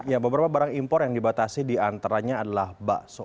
ya beberapa barang impor yang dibatasi diantaranya adalah bakso